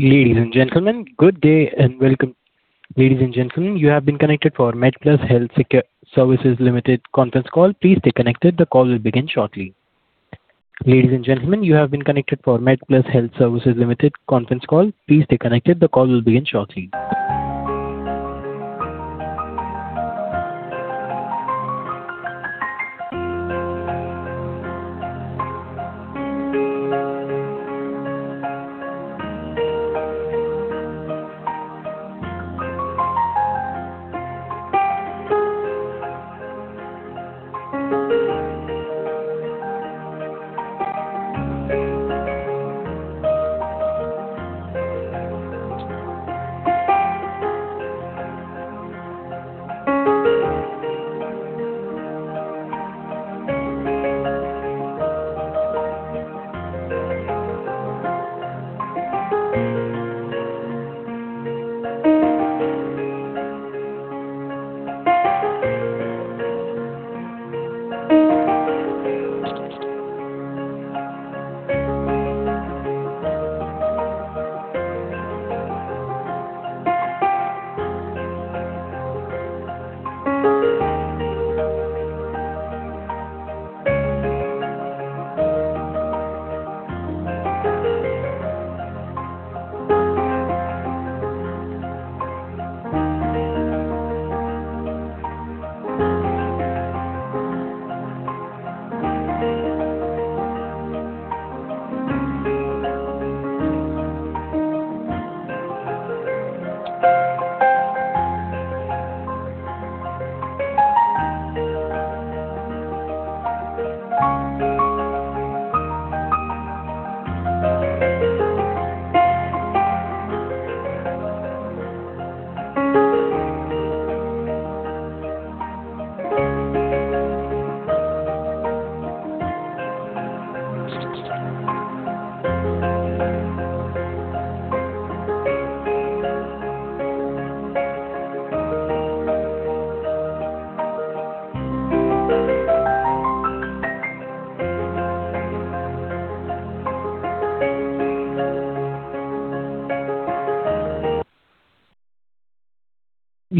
Ladies and gentlemen, good day and welcome. Ladies and gentlemen, you have been connected for MedPlus Health Services Limited conference call. Please stay connected. The call will begin shortly. Ladies and gentlemen, you have been connected for MedPlus Health Services Limited conference call. Please stay connected. The call will begin shortly.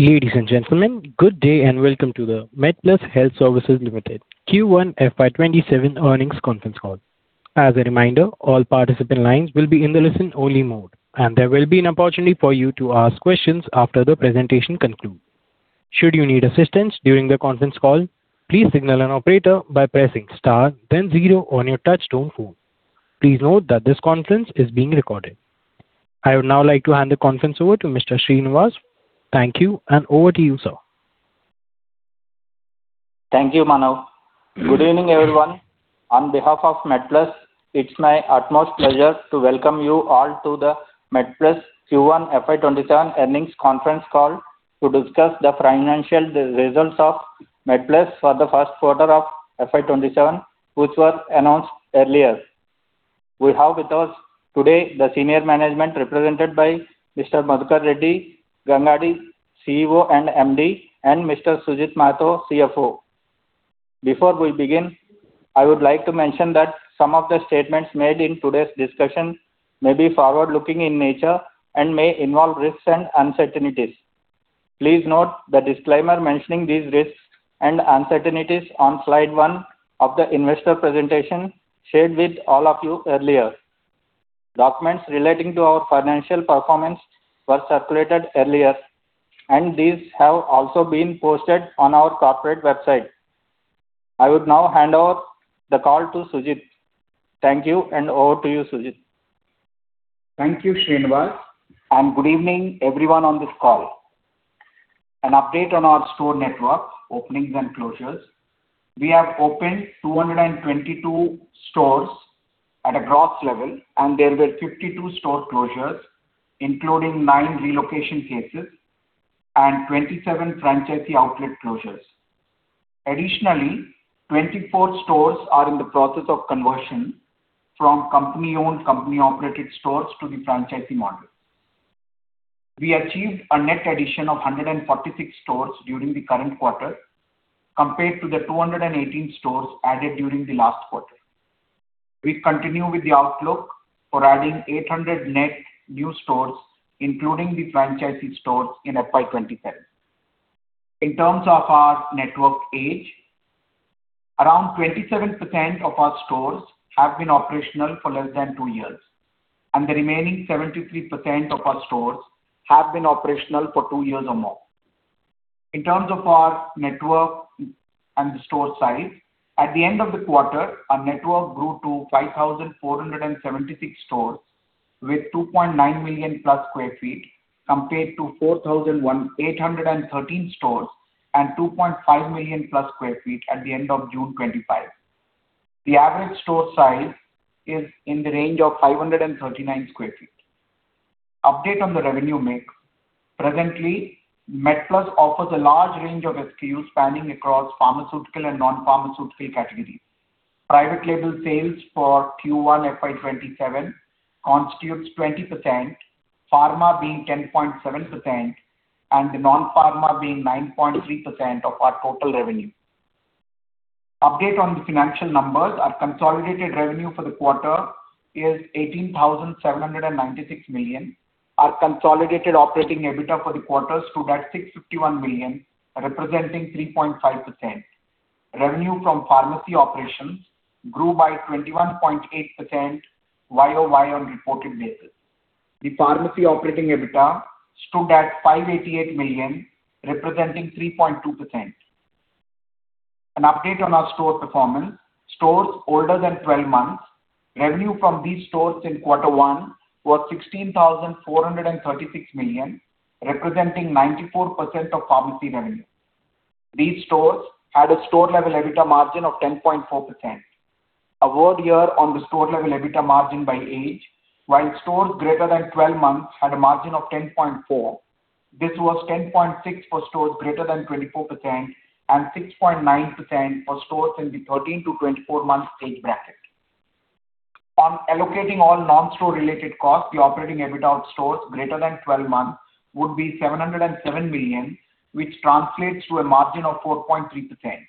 Ladies and gentlemen, good day, and welcome to the MedPlus Health Services Limited Q1 FY 2027 Earnings Conference Call. As a reminder, all participant lines will be in the listen only mode, and there will be an opportunity for you to ask questions after the presentation concludes. Should you need assistance during the conference call, please signal an operator by pressing star then zero on your touch-tone phone. Please note that this conference is being recorded. I would now like to hand the conference over to Mr. Srinivas. Thank you, and over to you, sir. Thank you, Mano. Good evening, everyone. On behalf of MedPlus, it's my utmost pleasure to welcome you all to the MedPlus Q1 FY 2027 Earnings Conference Call to discuss the financial results of MedPlus for the first quarter of FY 2027, which was announced earlier. We have with us today the senior management represented by Mr. Madhukar Reddy Gangadi, CEO and MD, and Mr. Sujit Mahato, CFO. Before we begin, I would like to mention that some of the statements made in today's discussion may be forward-looking in nature and may involve risks and uncertainties. Please note the disclaimer mentioning these risks and uncertainties on slide one of the investor presentations shared with all of you earlier. Documents relating to our financial performance were circulated earlier, and these have also been posted on our corporate website. I would now hand off the call to Sujit. Thank you, and over to you, Sujit. Thank you, Srinivas, and good evening everyone on this call. An update on our store network openings and closures. We have opened 222 stores at a gross level, and there were 52 store closures, including nine relocation cases and 27 franchisee outlet closures. Additionally, 24 stores are in the process of conversion from company-owned, company-operated stores to the franchisee model. We achieved a net addition of 146 stores during the current quarter compared to the 218 stores added during the last quarter. We continue with the outlook for adding 800 net new stores, including the franchisee stores in FY 2027. In terms of our network age, around 27% of our stores have been operational for less than two years, and the remaining 73% of our stores have been operational for two years or more. In terms of our network and the store size, at the end of the quarter, our network grew to 5,476 stores with 2.9 million plus sq ft compared to 4,813 stores and 2.5 million plus sq ft at the end of June 2025. The average store size is in the range of 539 sq ft. Update on the revenue mix. Presently, MedPlus offers a large range of SKUs spanning across pharmaceutical and non-pharmaceutical categories. Private label sales for Q1 FY 2027 constitutes 20%, pharma being 10.7%, and the non-pharma being 9.3% of our total revenue. Update on the financial numbers. Our consolidated revenue for the quarter is 18,796 million. Our consolidated operating EBITDA for the quarter stood at 651 million, representing 3.5%. Revenue from pharmacy operations grew by 21.8% YoY on reported basis. The pharmacy operating EBITDA stood at 588 million, representing 3.2%. An update on our store performance. Stores older than 12 months, revenue from these stores in quarter one was 16,436 million, representing 94% of pharmacy revenue. These stores had a store-level EBITDA margin of 10.4%. A word here on the store-level EBITDA margin by age. While stores greater than 12 months had a margin of 10.4%, this was 10.6% for stores greater than 24 months and 6.9% for stores in the 13-24 months age bracket. On allocating all non-store related costs, the operating EBITDA of stores greater than 12 months would be 707 million, which translates to a margin of 4.3%. An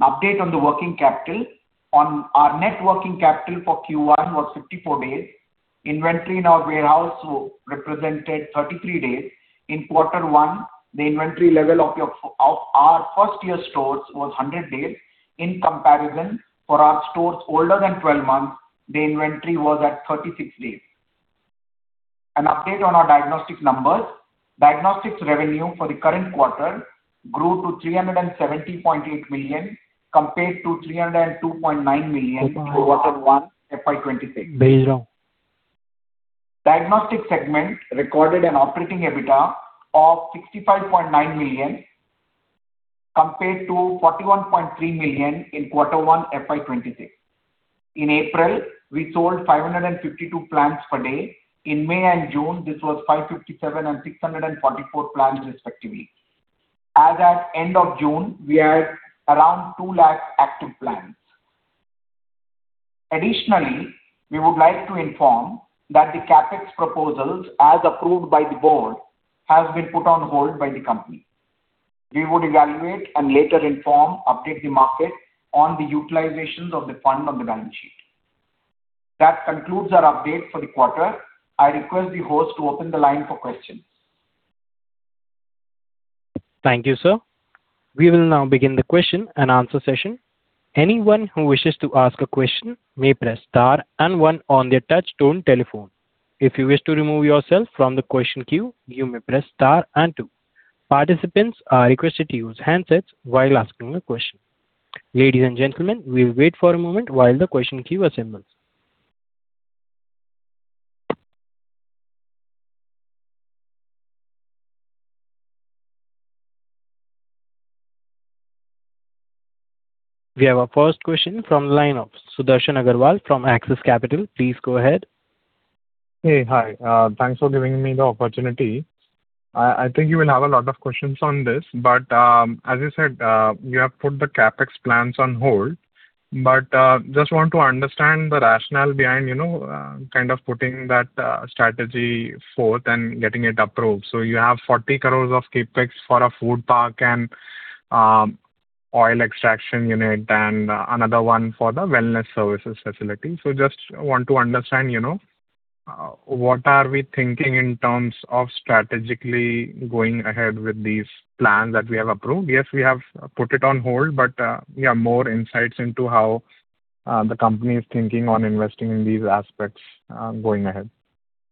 update on the working capital. Our net working capital for Q1 was 54 days. Inventory in our warehouse represented 33 days. In quarter one, the inventory level of our first-year stores was 100 days. In comparison, for our stores older than 12 months, the inventory was at 36 days. An update on our diagnostics numbers. Diagnostics revenue for the current quarter grew to 370.8 million compared to 302.9 million for quarter one, FY 2026. Diagnostics segment recorded an operating EBITDA of 65.9 million compared to 41.3 million in quarter one, FY 2026. In April, we sold 552 plans per day. In May and June, this was 557 and 644 plans respectively. As at end of June, we had around 2 lakh active plans. Additionally, we would like to inform that the CapEx proposals, as approved by the board, has been put on hold by the company. We would evaluate and later inform, update the market on the utilizations of the fund on the balance sheet. That concludes our update for the quarter. I request the host to open the line for questions. Thank you, sir. We will now begin the question-and-answer session. Anyone who wishes to ask a question may press star one on their touch tone telephone. If you wish to remove yourself from the question queue, you may press star two. Participants are requested to use handsets while asking a question. Ladies and gentlemen, we'll wait for a moment while the question queue assembles. We have our first question from line of Sudarshan Agarwal from Axis Capital. Please go ahead. Hey, hi. Thanks for giving me the opportunity. As you said, you have put the CapEx plans on hold. Just want to understand the rationale behind kind of putting that strategy forth and getting it approved. You have 40 crore of CapEx for a Food Park and oil extraction unit and another one for the Wellness Services Facility. Just want to understand, what are we thinking in terms of strategically going ahead with these plans that we have approved. Yes, we have put it on hold, yeah, more insights into how the company is thinking on investing in these aspects going ahead.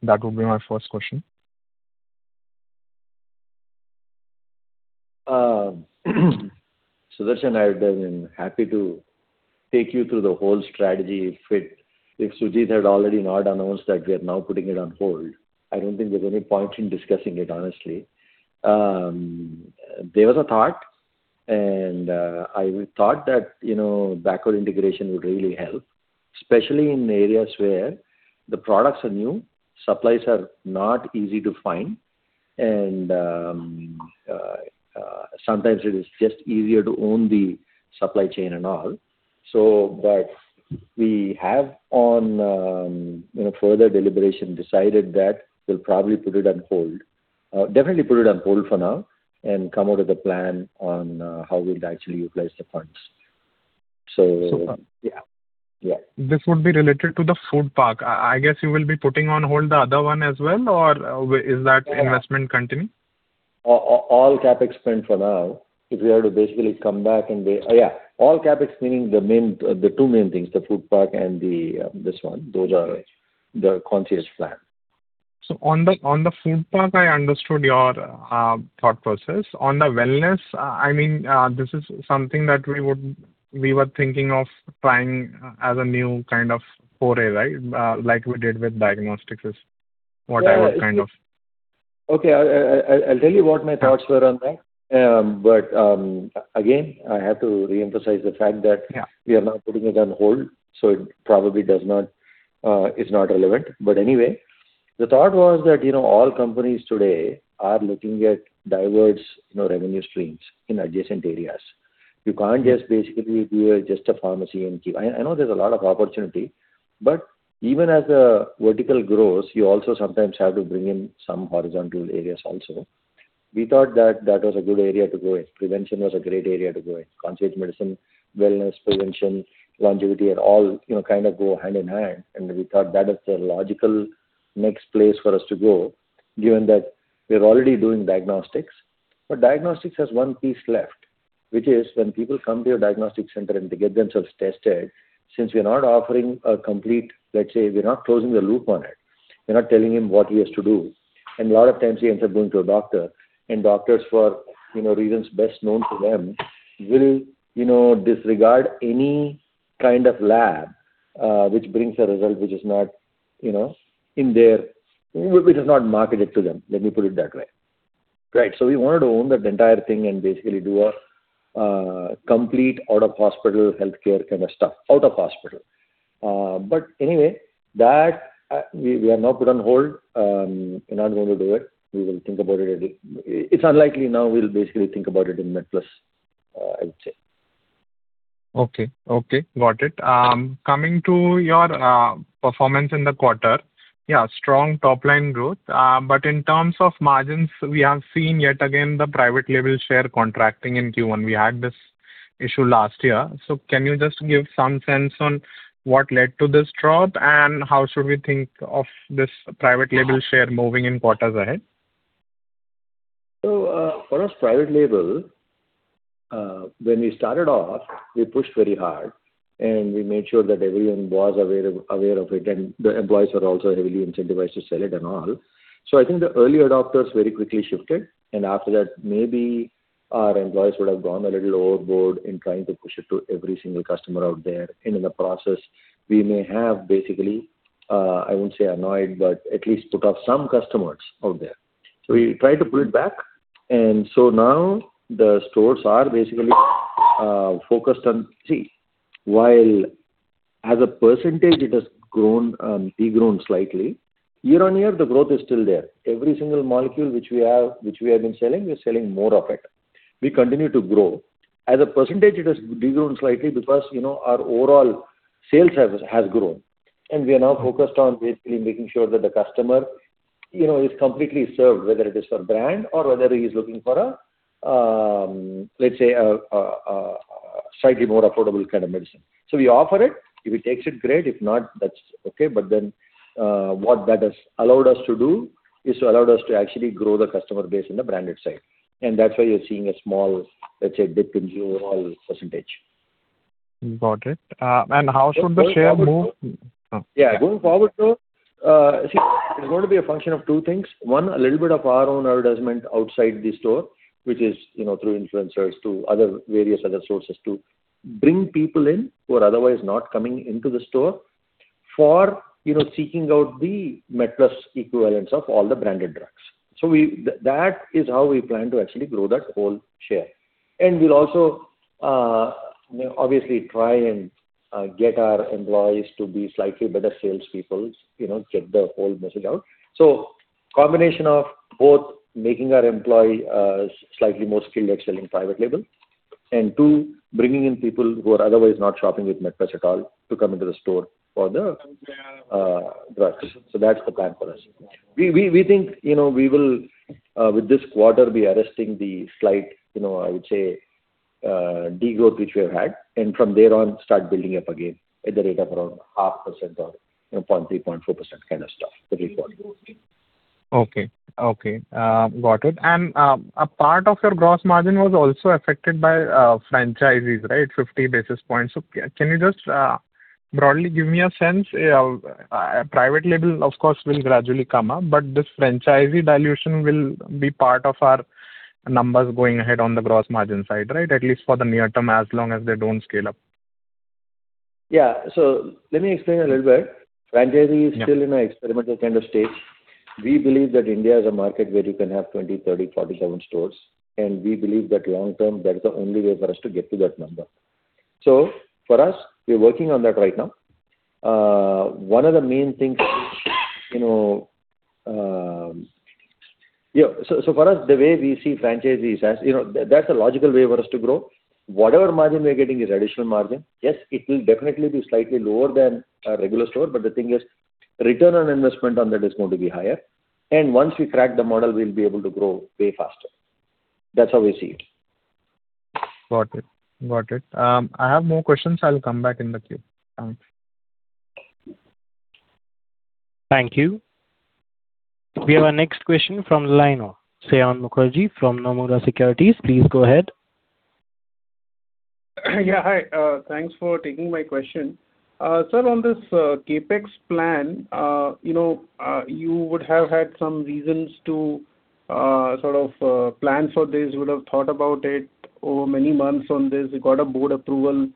That would be my first question. Sudarshan, I've been happy to take you through the whole strategy if Sujit had already not announced that we are now putting it on hold. I don't think there's any point in discussing it, honestly. There was a thought, I thought that backward integration would really help, especially in areas where the products are new, supplies are not easy to find, and sometimes it is just easier to own the supply chain and all. We have on further deliberation, decided that we'll probably put it on hold. Definitely put it on hold for now and come out with a plan on how we'll actually utilize the funds. Super. Yeah. This would be related to the Food Park. I guess you will be putting on hold the other one as well, or is that investment continuing? All Capex spend for now, if we are to basically come back. All Capex meaning the two main things, the Food Park and this one. Those are the conscious plan. On the Food Park, I understood your thought process. On the Wellness, this is something that we were thinking of trying as a new kind of foray, right? Like we did with diagnostics is whatever kind of. Okay. I'll tell you what my thoughts were on that. again, I have to reemphasize the fact that Yeah we are now putting it on hold; it probably is not relevant. anyway, the thought was that all companies today are looking at diverse revenue streams in adjacent areas. You can't just basically be just a pharmacy and keep I know there's a lot of opportunity even as a vertical grows, you also sometimes have to bring in some horizontal areas also. We thought that was a good area to go in. Prevention was a great area to go in. Concierge medicine, wellness prevention, longevity are all go hand-in-hand, and we thought that is the logical next place for us to go, given that we're already doing diagnostics. diagnostics has one piece left, which is when people come to a diagnostic center and they get themselves tested, since we're not offering a complete, let's say, we're not closing the loop on it. We're not telling him what he has to do. a lot of times he ends up going to a doctor, and doctors for reasons best known to them will disregard any kind of lab, which brings a result which is not marketed to them. Let me put it that way. we wanted to own that entire thing and basically do a complete out-of-hospital healthcare kind of stuff. Out of hospital. anyway, that we have now put on hold. We're not going to do it. We will think about it. It's unlikely now. We'll basically think about it in MedPlus, I would say. Okay. Got it. Coming to your performance in the quarter. Yeah, strong top-line growth. in terms of margins, we have seen yet again the private label share contracting in Q1. We had this issue last year. can you just give some sense on what led to this drop, and how should we think of this private label share moving in quarters ahead? For us private label, when we started off, we pushed very hard and we made sure that everyone was aware of it, the employees were also heavily incentivized to sell it and all. I think the early adopters very quickly shifted. After that, maybe our employees would have gone a little overboard in trying to push it to every single customer out there. In the process, we may have basically, I wouldn't say annoyed but at least put off some customers out there. We tried to pull it back. Now the stores are basically focused on While as a percentage it has de-grown slightly, year-on-year, the growth is still there. Every single molecule which we have, which we have been selling, we're selling more of it. We continue to grow. As a percentage, it has de-grown slightly because our overall sales has grown, we are now focused on basically making sure that the customer is completely served, whether it is for brand or whether he's looking for, let's say, a slightly more affordable kind of medicine. We offer it. If he takes it, great. If not, that's okay. What that has allowed us to do is allowed us to actually grow the customer base in the branded side. That's why you're seeing a small, let's say, dip in the overall percentage. Got it. How should the share move? Yeah. Going forward though, it's going to be a function of two things. One, a little bit of our own advertisement outside the store, which is through influencers, to various other sources to bring people in who are otherwise not coming into the store for seeking out the MedPlus equivalents of all the branded drugs. That is how we plan to actually grow that whole share. We'll also obviously try and get our employees to be slightly better salespeople, get the whole message out. Combination of both making our employee slightly more skilled at selling private label, and two, bringing in people who are otherwise not shopping with MedPlus at all to come into the store for the drugs. That's the plan for us. We think, we will with this quarter, be arresting the slight, I would say, de-growth, which we have had, and from there on start building up again at the rate of around half percent or 0.3%, 0.4% kind of stuff going forward. Okay. Got it. A part of your gross margin was also affected by franchisees, right? 50 basis points. Can you just broadly give me a sense? Private label, of course, will gradually come up, this franchisee dilution will be part of our numbers going ahead on the gross margin side, right? At least for the near term, as long as they don't scale up. Yeah. Let me explain a little bit. Franchisee is still in an experimental kind of stage. We believe that India is a market where you can have 20, 30, 47 stores. We believe that long-term, that's the only way for us to get to that number. For us, we're working on that right now. One of the main things, for us, the way we see franchisees as, that's a logical way for us to grow. Whatever margin we're getting is additional margin. Yes, it will definitely be slightly lower than a regular store. The thing is return on investment on that is going to be higher. Once we crack the model, we'll be able to grow way faster. That's how we see it. Got it. I have more questions. I'll come back in the queue. Thank you. We have our next question from the line of Saion Mukherjee from Nomura Securities. Please go ahead. Yeah, hi. Thanks for taking my question. Sir, on this CapEx plan, you would have had some reasons to sort of plan for this, would have thought about it over many months on this. You got a board approval.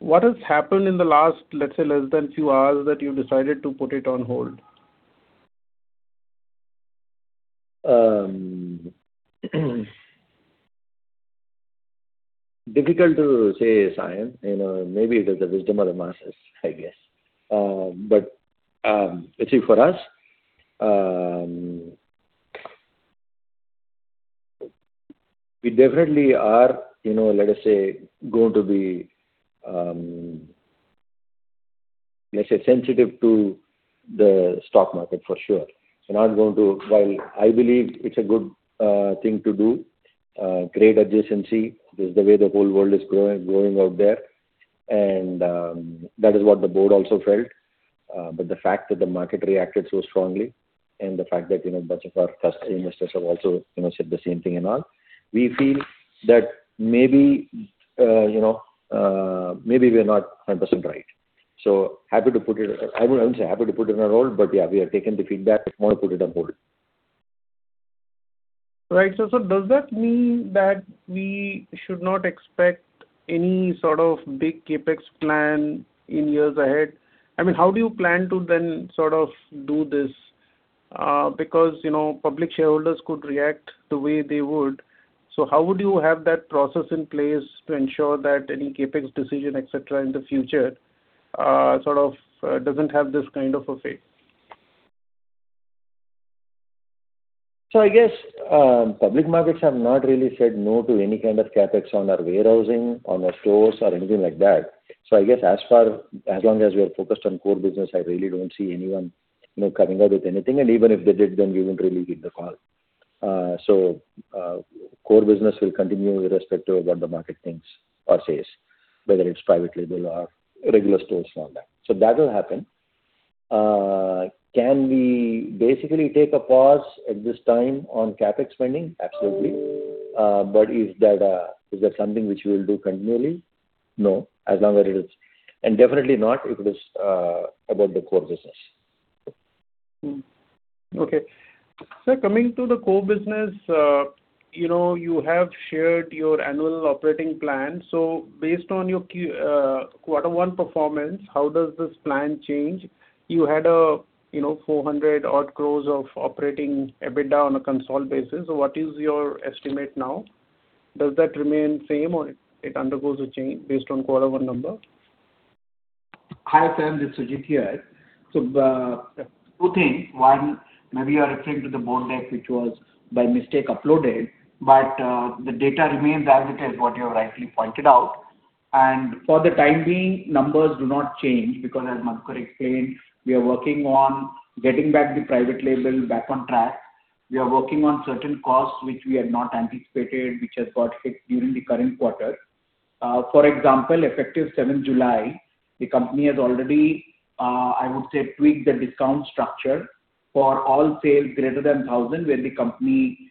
What has happened in the last, let us say, less than few hours that you decided to put it on hold? Difficult to say, Saion. Maybe it is the wisdom of the masses, I guess. You see for us, we definitely are, let us say, going to be sensitive to the stock market, for sure. While I believe it's a good thing to do, great adjacency. This is the way the whole world is growing out there, and that is what the board also felt. The fact that the market reacted so strongly and the fact that a bunch of our investors have also said the same thing and all, we feel that maybe we are not 100% right. I wouldn't say happy to put it on hold, yeah, we have taken the feedback, more put it on hold. Right. Does that mean that we should not expect any sort of big CapEx plan in years ahead? How do you plan to then do this? Because public shareholders could react the way they would. How would you have that process in place to ensure that any CapEx decision, et cetera, in the future, sort of doesn't have this kind of a fate? I guess public markets have not really said no to any kind of CapEx on our warehousing, on our stores or anything like that. I guess as long as we are focused on core business, I really don't see anyone coming out with anything. Even if they did, then we wouldn't really give the call. Core business will continue irrespective of what the market thinks or says, whether it's private label or regular stores and all that. That will happen. Can we basically take a pause at this time on CapEx spending? Absolutely. Is that something which we will do continually? No. Definitely not if it is about the core business. Okay. Sir, coming to the core business, you have shared your annual operating plan. Based on your Q1 performance, how does this plan change? You had 400 odd crores of operating EBITDA on a consolidated basis. What is your estimate now? Does that remain same or it undergoes a change based on quarter 1 number? Hi, Saion. This is Sujit here. Two things. One, maybe you are referring to the board deck, which was by mistake uploaded. The data remains as it is, what you have rightly pointed out. For the time being, numbers do not change because as Madhukar explained, we are working on getting back the private label back on track. We are working on certain costs which we had not anticipated, which has got hit during the current quarter. For example, effective 7th July, the company has already, I would say, tweaked the discount structure for all sales greater than 1,000, where the company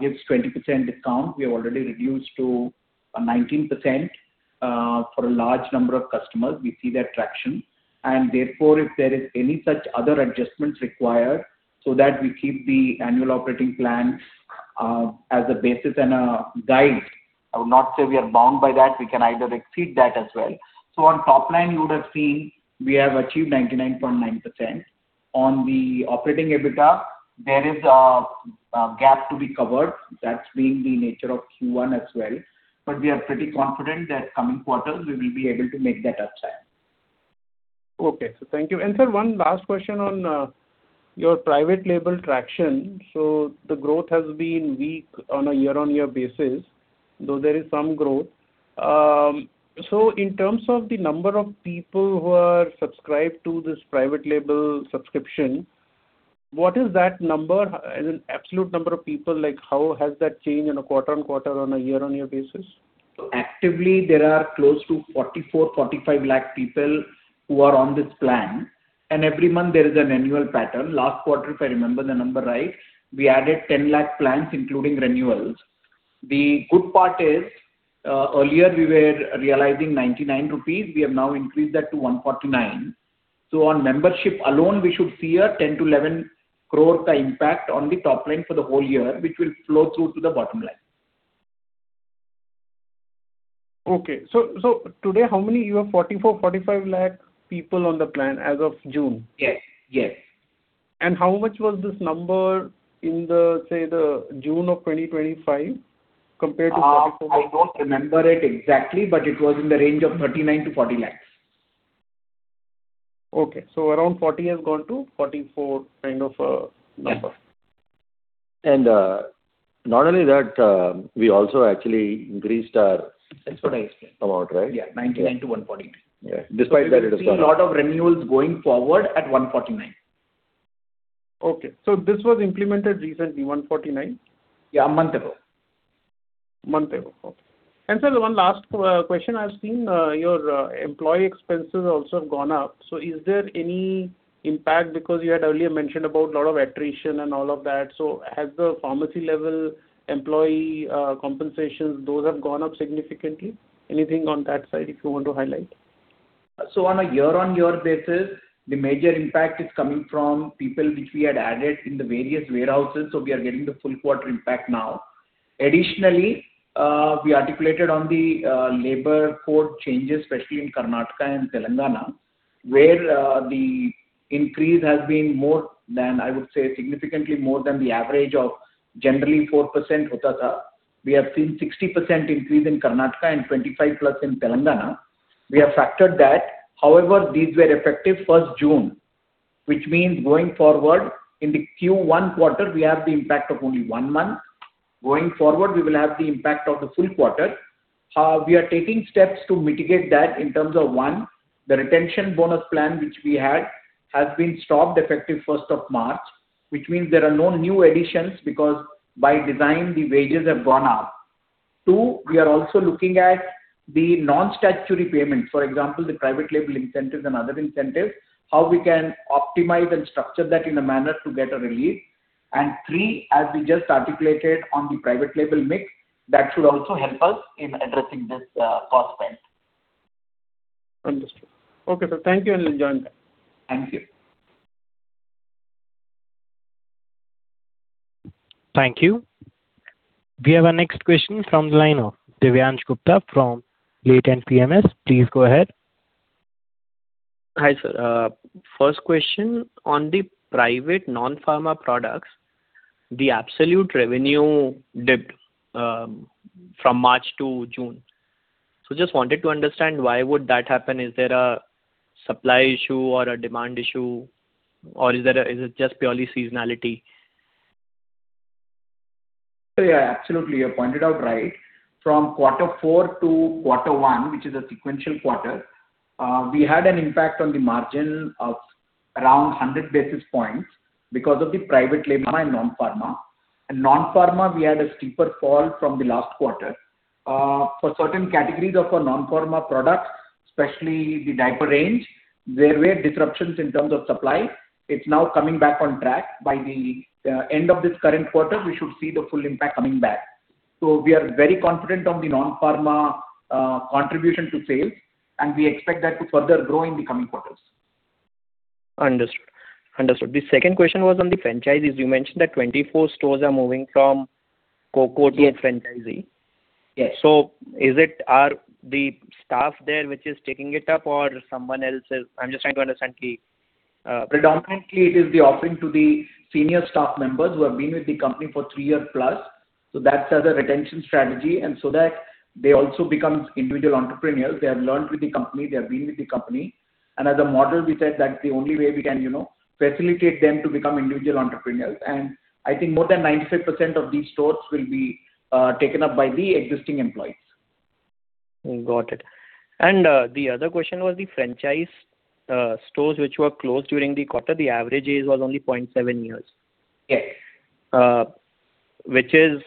gives 20% discount. We have already reduced to a 19% for a large number of customers. We see that traction, therefore, if there is any such other adjustments required so that we keep the annual operating plan as a basis and a guide. I would not say we are bound by that. We can either exceed that as well. On top line, you would have seen we have achieved 99.9%. On the operating EBITDA, there is a gap to be covered. That's been the nature of Q1 as well. We are pretty confident that coming quarters, we will be able to make that upside. Okay. Thank you. Sir, one last question on your private label traction. The growth has been weak on a year-on-year basis, though there is some growth. In terms of the number of people who are subscribed to this private label subscription, what is that number as in absolute number of people? How has that changed in a quarter-on-quarter on a year-on-year basis? Actively, there are close to 44, 45 lakh people who are on this plan. Every month there is an annual pattern. Last quarter, if I remember the number right, we added 10 lakh plans, including renewals. The good part is, earlier we were realizing 99 rupees. We have now increased that to 149. On membership alone, we should see a 10 crore-11 crore impact on the top line for the whole year, which will flow through to the bottom line. Okay. Today, how many? You have 44, 45 lakh people on the plan as of June? Yes. How much was this number in the, say, the June of 2025 compared to- I don't remember it exactly; it was in the range of 39 lakh-40 lakh. Okay. Around 40 lakh has gone to 44 lakh kind of a number. Yes. Not only that, we also actually increased our. That's what I explained. amount, right? Yeah, 99-149. Yeah. Despite that it has gone up. You will see a lot of renewals going forward at 149. Okay. This was implemented recently, 149? Yeah, a month ago. A month ago. Okay. Sir, one last question. I've seen your employee expenses also have gone up. Is there any impact? Because you had earlier mentioned about lot of attrition and all of that. Has the pharmacy level employee compensations, those have gone up significantly? Anything on that side if you want to highlight? On a year-on-year basis, the major impact is coming from people which we had added in the various warehouses. We are getting the full quarter impact now. Additionally, we articulated on the labor court changes, especially in Karnataka and Telangana, where the increase has been more than, I would say, significantly more than the average of generally 4%. We have seen 60% increase in Karnataka and 25-plus in Telangana. We have factored that. However, these were effective 1st June. Which means going forward, in the Q1 quarter, we have the impact of only one month. Going forward, we will have the impact of the full quarter. We are taking steps to mitigate that in terms of, one, the retention bonus plan which we had, has been stopped effective 1st of March, which means there are no new additions because by design, the wages have gone up. Two, we are also looking at the non-statutory payments, for example, the private label incentives and other incentives, how we can optimize and structure that in a manner to get a relief. Three, as we just articulated on the private label mix, that should also help us in addressing this cost spend. Understood. Okay, sir. Thank you, and we'll join back. Thank you. Thank you. We have our next question from the line of Divyansh Gupta from Latent Advisors PMS. Please go ahead. Hi, sir. First question on the private non-pharma products, the absolute revenue dipped from March to June. Just wanted to understand why would that happen. Is there a supply issue or a demand issue, or is it just purely seasonality? Yeah, absolutely. You pointed out right. From quarter four to quarter one, which is a sequential quarter, we had an impact on the margin of around 100 basis points because of the private label and non-pharma. In non-pharma, we had a steeper fall from the last quarter. For certain categories of our non-pharma products, especially the diaper range, there were disruptions in terms of supply. It's now coming back on track. By the end of this current quarter, we should see the full impact coming back. We are very confident of the non-pharma contribution to sales, and we expect that to further grow in the coming quarters. Understood. The second question was on the franchises. You mentioned that 24 stores are moving from COCO to a franchisee. Yes. Are the staff there which is taking it up or someone else is I'm just trying to understand the Predominantly, it is the offering to the senior staff members who have been with the company for three years plus. That's as a retention strategy, that they also become individual entrepreneurs. They have learned with the company, they have been with the company. As a model, we said that's the only way we can facilitate them to become individual entrepreneurs. I think more than 95% of these stores will be taken up by the existing employees. Got it. The other question was the franchise stores which were closed during the quarter, the average age was only 0.7 years. Yes. Which is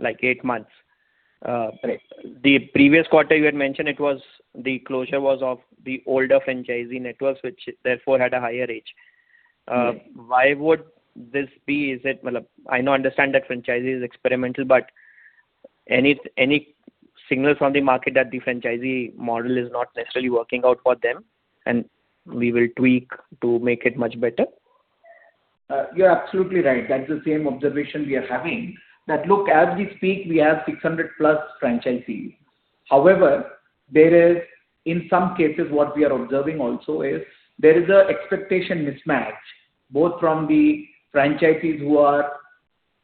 like eight months. Correct. The previous quarter you had mentioned the closure was of the older franchisee networks, which therefore had a higher age. Yes. Why would this be? Understand that franchisee is experimental, but any signals from the market that the franchisee model is not necessarily working out for them, and we will tweak to make it much better? You're absolutely right. That's the same observation we are having. As we speak, we have 600 plus franchisees. However, there is, in some cases, what we are observing also is there is an expectation mismatch, both from the franchisees who are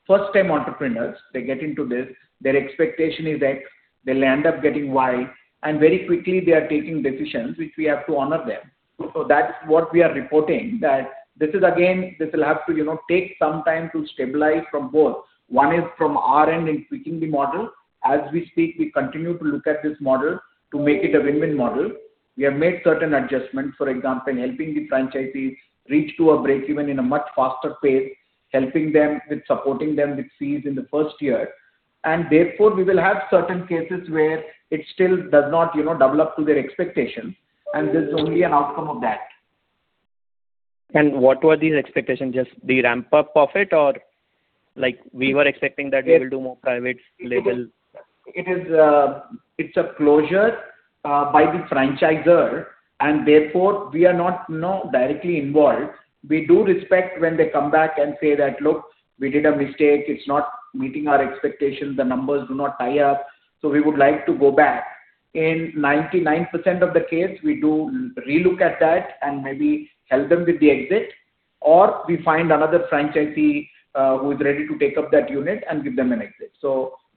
first-time entrepreneurs. They get into this. Their expectation is X, they'll end up getting Y, and very quickly, they are taking decisions, which we have to honor them. That's what we are reporting. This will have to take some time to stabilize from both. One is from our end in tweaking the model. As we speak, we continue to look at this model to make it a win-win model. We have made certain adjustments. For example, helping the franchisees reach to a break-even in a much faster pace, helping them with supporting them with fees in the first year. Therefore, we will have certain cases where it still does not develop to their expectations. This is only an outcome of that. What were these expectations? Just the ramp-up of it, or like we were expecting that we will do more private label. It's a closure by the franchisor. Therefore, we are not directly involved. We do respect when they come back and say that "Look, we did a mistake. It's not meeting our expectations. The numbers do not tie up. We would like to go back." In 99% of the case, we do re-look at that and maybe help them with the exit, or we find another franchisee who is ready to take up that unit and give them an exit.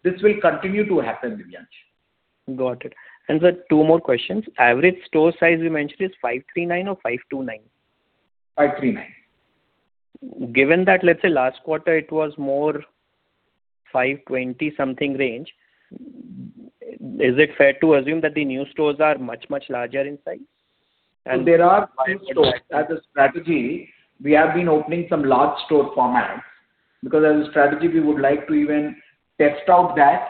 This will continue to happen, Divyansh. Got it. Sir, two more questions. Average store size you mentioned is 539 or 529? 539. Given that, let's say last quarter it was more 520 something range, is it fair to assume that the new stores are much, much larger in size? There are few stores. As a strategy, we have been opening some large store formats, because as a strategy, we would like to even test out that,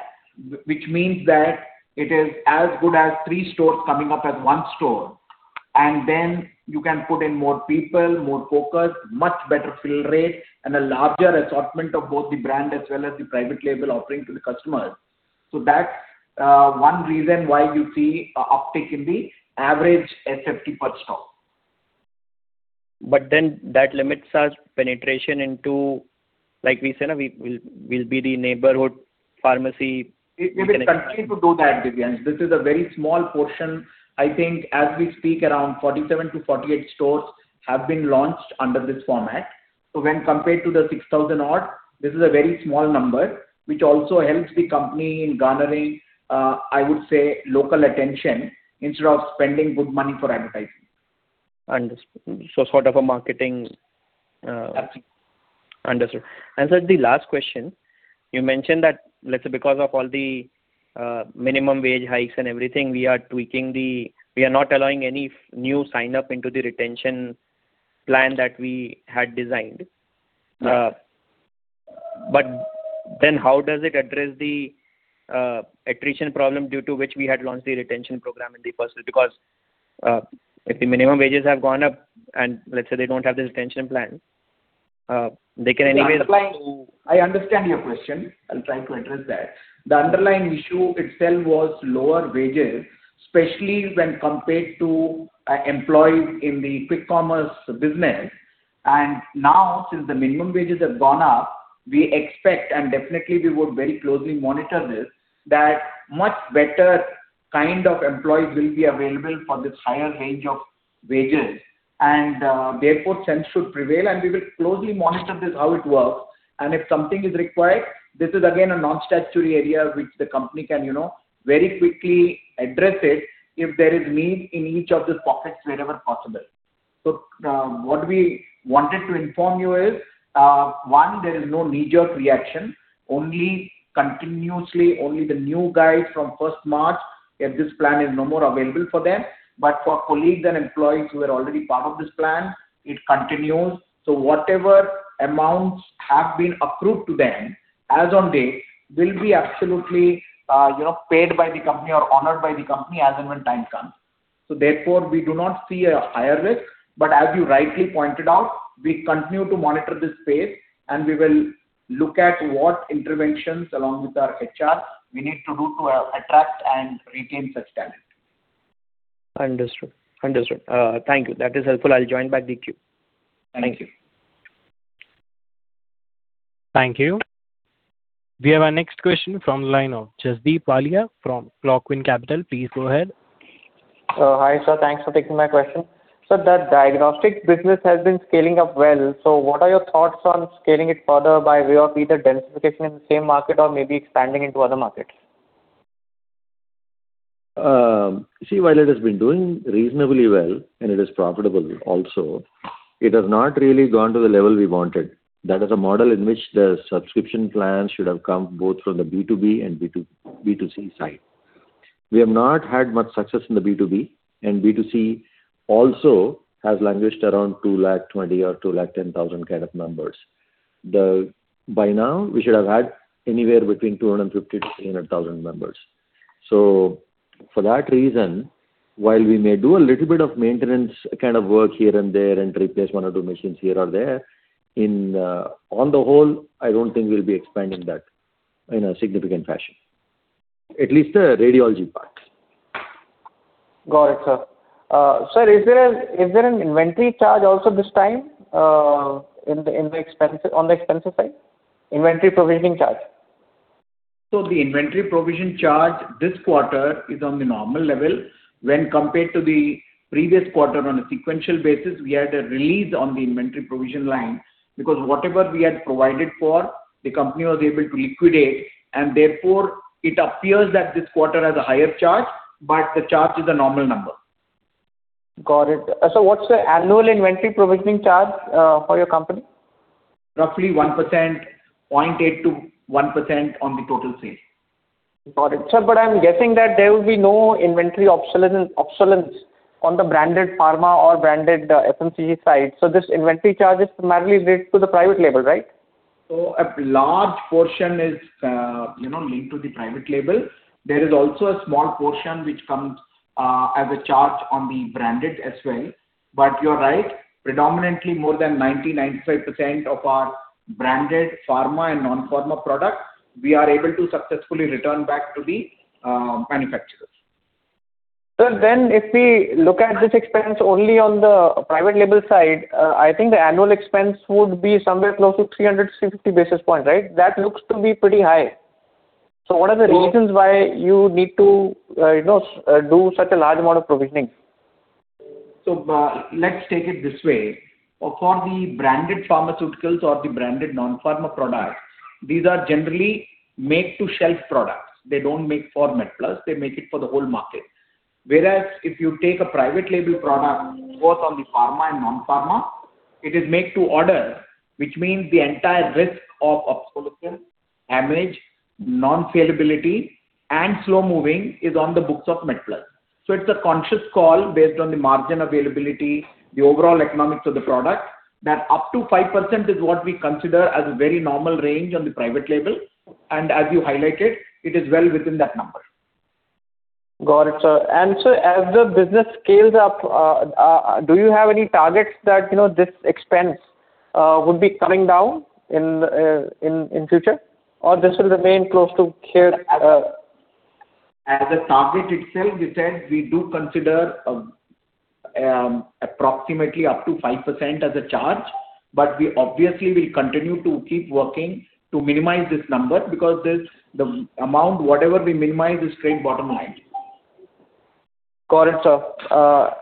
which means that it is as good as three stores coming up as one store. Then you can put in more people, more focus, much better fill rate, and a larger assortment of both the brand as well as the private label offering to the customers. That's one reason why you see an uptick in the average SFT per store. That limits our penetration into, like we said, we'll be the neighborhood pharmacy. We will continue to do that, Divyansh. This is a very small portion. I think as we speak, around 47 to 48 stores have been launched under this format. When compared to the 6,000 odd, this is a very small number, which also helps the company in garnering, I would say, local attention instead of spending good money for advertising. Understood. Absolutely. Understood. Sir, the last question. You mentioned that let's say, because of all the minimum wage hikes and everything, we are not allowing any new sign-up into the retention plan that we had designed. Right. How does it address the attrition problem due to which we had launched the retention program in the first place? Because if the minimum wages have gone up and let's say they don't have the retention plan, they can. I understand your question. I'll try to address that. The underlying issue itself was lower wages, especially when compared to employees in the quick commerce business. Now, since the minimum wages have gone up, we expect, and definitely we would very closely monitor this, that much better kind of employees will be available for this higher range of wages. Therefore, sense should prevail, and we will closely monitor this, how it works. If something is required, this is again a non-statutory area which the company can very quickly address it if there is need in each of the pockets wherever possible. What we wanted to inform you is, one, there is no major reaction. Only continuously, only the new guys from 1st March, if this plan is no more available for them. For colleagues and employees who are already part of this plan, it continues. Whatever amounts have been approved to them as on date, will be absolutely paid by the company or honored by the company as and when time comes. Therefore, we do not see a higher risk. As you rightly pointed out, we continue to monitor this space, and we will look at what interventions along with our HR we need to do to attract and retain such talent. Understood. Thank you. That is helpful. I'll join back the queue. Thank you. Thank you. Thank you. We have our next question from the line of Jasdeep Walia from Clockvine Capital. Please go ahead. Hi, sir. Thanks for taking my question. Sir, the diagnostics business has been scaling up well, what are your thoughts on scaling it further by way of either densification in the same market or maybe expanding into other markets? While it has been doing reasonably well, and it is profitable also, it has not really gone to the level we wanted. That is a model in which the subscription plan should have come both from the B2B and B2C side. We have not had much success in the B2B, and B2C also has languished around 220,000 or 210,000 kind of numbers. By now, we should have had anywhere between 250,000-300,000 members. For that reason, while we may do a little bit of maintenance kind of work here and there and replace one or two machines here or there, on the whole, I don't think we'll be expanding that in a significant fashion. At least the radiology part. Got it, sir. Sir, is there an inventory charge also this time on the expensive side? Inventory provisioning charge. The inventory provision charge this quarter is on the normal level. When compared to the previous quarter on a sequential basis, we had a release on the inventory provision line because whatever we had provided for, the company was able to liquidate, and therefore it appears that this quarter has a higher charge, but the charge is a normal number. Got it. Sir, what's the annual inventory provisioning charge for your company? Roughly 1%, 0.8 to 1% on the total sales. Got it. Sir, I'm guessing that there will be no inventory obsolescence on the branded pharma or branded FMCG side. This inventory charge is primarily linked to the private label, right? A large portion is linked to the private label. There is also a small portion which comes as a charge on the branded as well. You're right, predominantly more than 90, 95% of our branded pharma and non-pharma products, we are able to successfully return back to the manufacturers. Sir, if we look at this expense only on the private label side, I think the annual expense would be somewhere close to 350 basis points, right? That looks to be pretty high. What are the reasons why you need to do such a large amount of provisioning? Let's take it this way. For the branded pharmaceuticals or the branded non-pharma products, these are generally made-to-shelf products. They don't make for MedPlus, they make it for the whole market. Whereas if you take a private label product, both on the pharma and non-pharma, it is made to order, which means the entire risk of obsolescence, damage, non-saleability, and slow-moving is on the books of MedPlus. It's a conscious call based on the margin availability, the overall economics of the product, that up to 5% is what we consider as a very normal range on the private label. As you highlighted, it is well within that number. Got it, sir. Sir, as the business scales up, do you have any targets that this expense would be coming down in future? Or this will remain close to here? As a target itself, we said we do consider approximately up to 5% as a charge, we obviously will continue to keep working to minimize this number because the amount, whatever we minimize is straight bottom line. Got it, sir. Sir,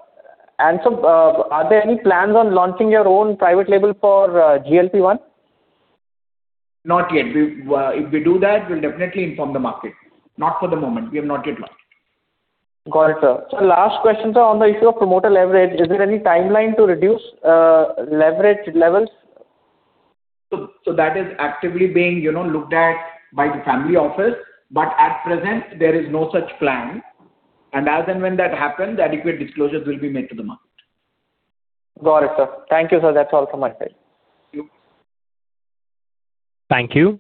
are there any plans on launching your own private label for GLP-1? Not yet. If we do that, we'll definitely inform the market. Not for the moment. We have not yet locked it. Got it, sir. Sir, last question, sir, on the issue of promoter leverage. Is there any timeline to reduce leverage levels? That is actively being looked at by the family office. At present, there is no such plan, and as and when that happens, adequate disclosures will be made to the market. Got it, sir. Thank you, sir. That's all from my side. Thank you. Thank you.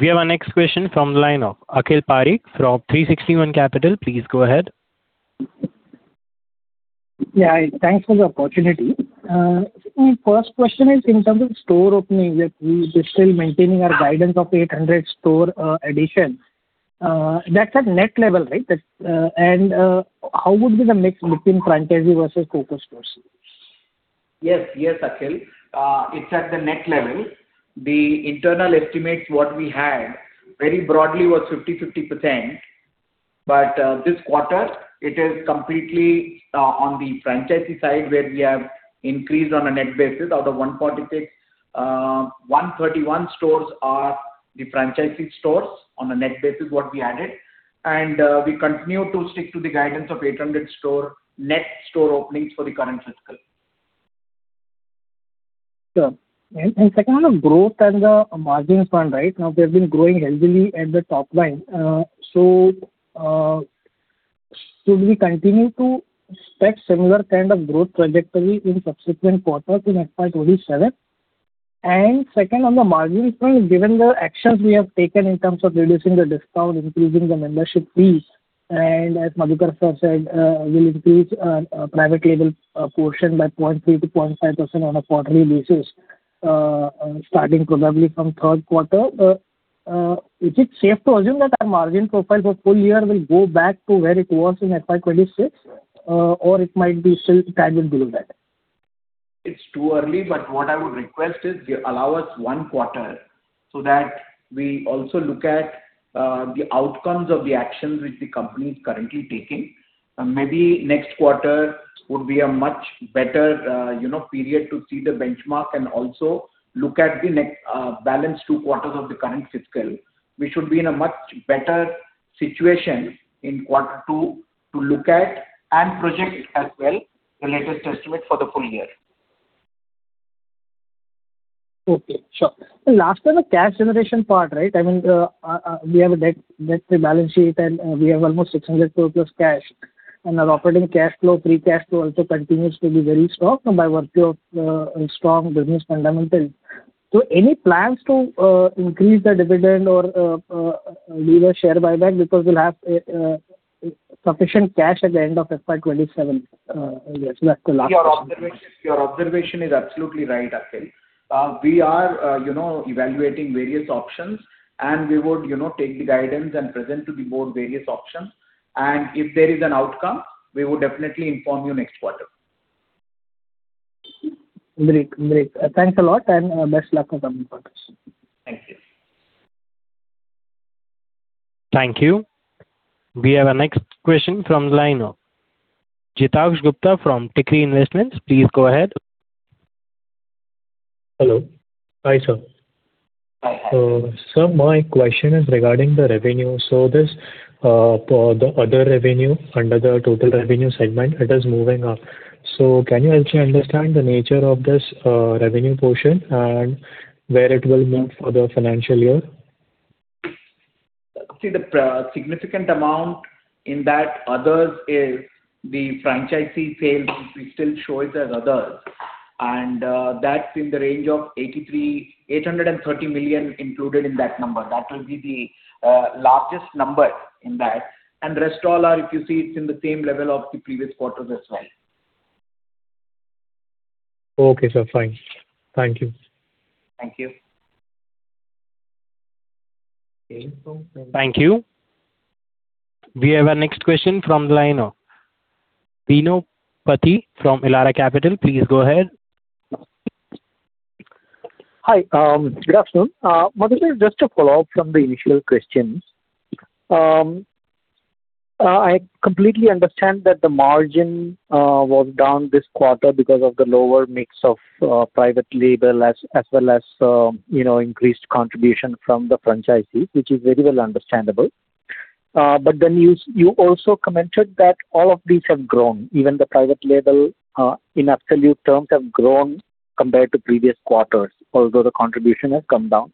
We have our next question from the line of Akhil Parekh from 360 ONE. Please go ahead. Yeah. Thanks for the opportunity. My first question is in terms of store opening, we are still maintaining our guidance of 800 store addition. That's at net level, right? How would be the mix between franchisee versus focused stores? Yes, Akhil. It's at the net level. The internal estimates what we had very broadly was 50/50%, this quarter it is completely on the franchisee side where we have increased on a net basis. Out of 146, 131 stores are the franchisee stores on a net basis, what we added. We continue to stick to the guidance of 800 net store openings for the current fiscal. Sure. Second, on growth and the margins front, right now we have been growing heavily at the top line. Should we continue to expect similar kind of growth trajectory in subsequent quarters in FY 2027? Second, on the margin front, given the actions we have taken in terms of reducing the discount, increasing the membership fees, as Madhukar sir said, we'll increase our private label portion by 0.3% to 0.5% on a quarterly basis, starting probably from third quarter, is it safe to assume that our margin profile for full year will go back to where it was in FY 2026? It might be still time in below that? It's too early, what I would request is allow us one quarter so that we also look at the outcomes of the actions which the company is currently taking. Maybe next quarter would be a much better period to see the benchmark and also look at the next balance two quarters of the current fiscal. We should be in a much better situation in quarter two to look at and project as well the latest estimate for the full year. Okay, sure. Last one, the cash generation part, right? I mean, we have a debt-free balance sheet, we have almost 600 crores cash, our operating cash flow, free cash flow also continues to be very strong by virtue of strong business fundamentals. Any plans to increase the dividend or do a share buyback because we'll have sufficient cash at the end of FY 2027? That's the last question. Your observation is absolutely right, Akhil. We are evaluating various options; we would take the guidance and present to the board various options. If there is an outcome, we would definitely inform you next quarter. Great. Thanks a lot and best luck on coming quarters. Thank you. Thank you. We have our next question from the line of Jitaksh Gupta from Tikri Investments. Please go ahead. Hello. Hi, sir. Hi. Sir, my question is regarding the revenue. This other revenue under the total revenue segment, it is moving up. Can you actually understand the nature of this revenue portion and where it will move for the financial year? See, the significant amount in that others is the franchisee sales. We still show it as others, and that's in the range of 830 million included in that number. That will be the largest number in that. Rest all are, if you see, it's in the same level of the previous quarters as well. Okay, sir. Fine. Thank you. Thank you. Thank you. We have our next question from the line of Bino Pathiparampil from Elara Capital. Please go ahead. Hi. Good afternoon. Madhukar, just to follow up from the initial questions. I completely understand that the margin was down this quarter because of the lower mix of private label as well as increased contribution from the franchisee, which is very well understandable. You also commented that all of these have grown, even the private label, in absolute terms, have grown compared to previous quarters, although the contribution has come down.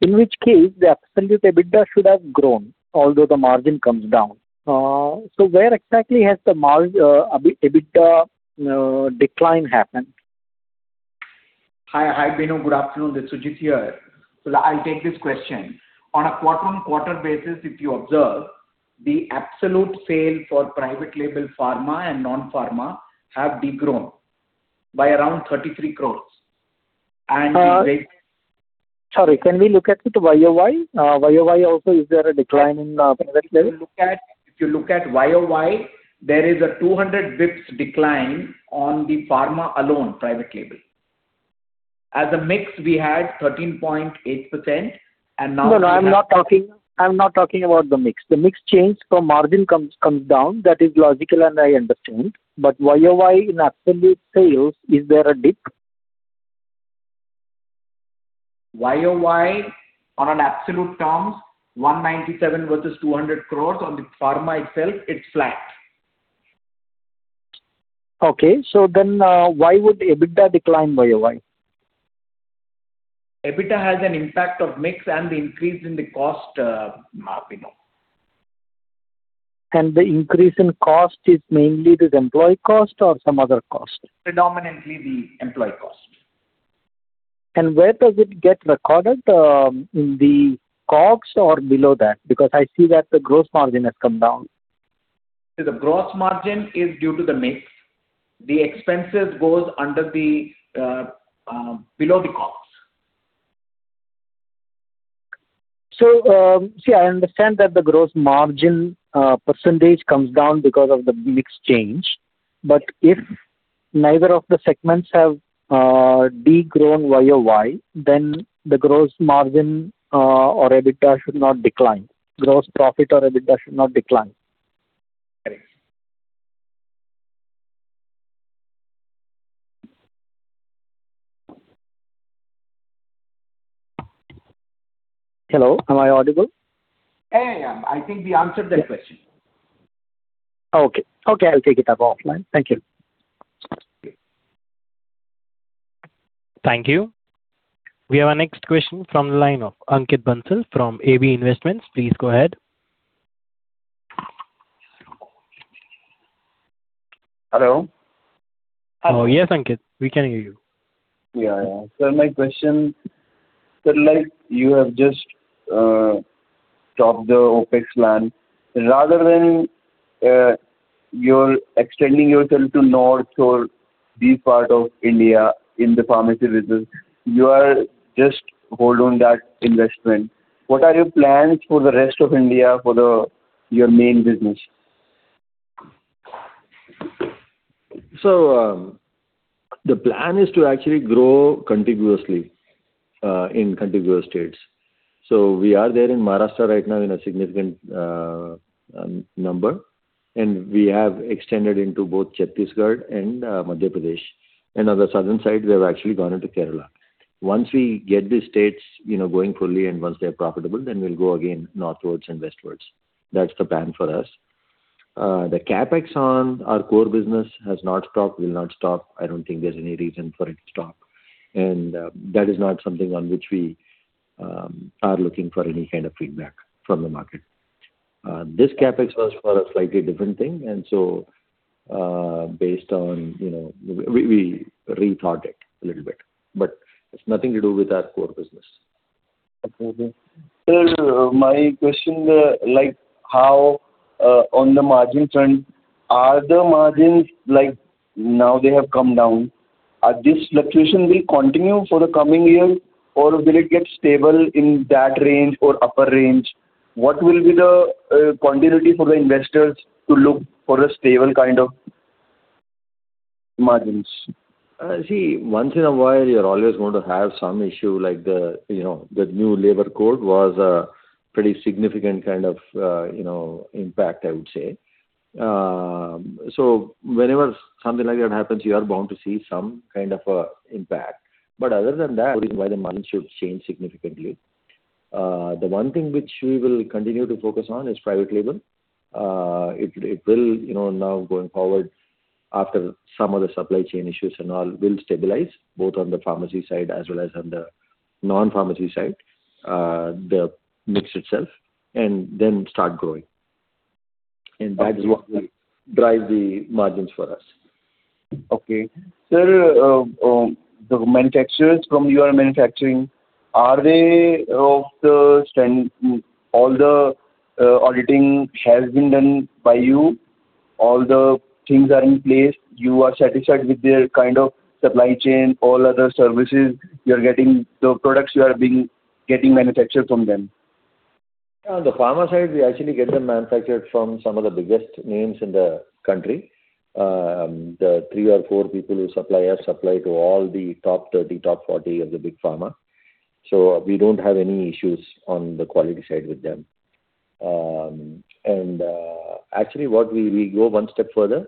In which case, the absolute EBITDA should have grown, although the margin comes down. Where exactly has the EBITDA decline happened? Hi, Bino. Good afternoon. This is Sujit here. I'll take this question. On a quarter-on-quarter basis, if you observe, the absolute sale for private label pharma and non-pharma have de-grown by around 33 crores. Sorry, can we look at it YoY? YoY also, is there a decline in private label? If you look at YoY, there is a 200-bps decline on the pharma alone, private label. As a mix, we had 13.8%. No, I'm not talking about the mix. The mix change from margin comes down. That is logical, I understand. But YoY in absolute sales, is there a dip? YoY on an absolute terms, 197 crore versus 200 crore on the pharma itself, it's flat. Okay. Why would EBITDA decline YoY? EBITDA has an impact of mix and the increase in the cost, you know. The increase in cost is mainly the employee cost or some other cost? Predominantly the employee cost. Where does it get recorded? In the COGS or below that? I see that the gross margin has come down. The gross margin is due to the mix. The expenses go below the COGS. I understand that the gross margin percentage comes down because of the mix change. If neither of the segments have de-grown YoY, then the gross margin or EBITDA should not decline. Gross profit or EBITDA should not decline. Right. Hello, am I audible? Hey, I am. I think we answered that question. Okay, I'll take it up offline. Thank you. Thank you. We have our next question from the line of Ankit Bansal from AB Investment. Please go ahead. Hello. Yes, Ankit, we can hear you. Yeah. Sir, my question, you have just topped the OpEx plan. Rather than you're extending yourself to north or this part of India in the pharmacy business, you are just hold on that investment. What are your plans for the rest of India for your main business? The plan is to actually grow contiguously, in contiguous states. We are there in Maharashtra right now in a significant number, and we have extended into both Chhattisgarh and Madhya Pradesh. On the southern side, we have actually gone into Kerala. Once we get the states going fully and once they're profitable, we'll go again northwards and westwards. That's the plan for us. The CapEx on our core business has not stopped, will not stop. I don't think there's any reason for it to stop. That is not something on which we are looking for any kind of feedback from the market. This CapEx was for a slightly different thing, we rethought it a little bit, but it's nothing to do with our core business. Okay. Sir, my question, on the margin front, are the margins now they have come down. This fluctuation will continue for the coming year or will it get stable in that range or upper range? What will be the continuity for the investors to look for a stable kind of margins? See, once in a while, you're always going to have some issue like the new labor code was a pretty significant kind of impact, I would say. Whenever something like that happens, you are bound to see some kind of a impact. Other than that, no reason why the margin should change significantly. The one thing which we will continue to focus on is private label. It will now going forward after some of the supply chain issues and all will stabilize both on the pharmacy side as well as on the non-pharmacy side, the mix itself, and then start growing. That is what will drive the margins for us. Okay. Sir, the manufacturers whom you are manufacturing, all the auditing has been done by you? All the things are in place? You are satisfied with their kind of supply chain, all other services you're getting, the products you are getting manufactured from them? On the pharma side, we actually get them manufactured from some of the biggest names in the country. The three or four people who supply us supply to all the top 30, top 40 of the big pharma. We don't have any issues on the quality side with them. Actually, we go one step further.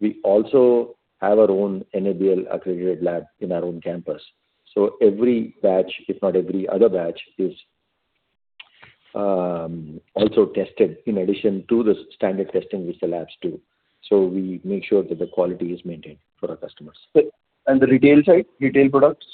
We also have our own NABL accredited lab in our own campus. Every batch, if not every other batch, is also tested in addition to the standard testing which the labs do. We make sure that the quality is maintained for our customers. The retail side, retail products?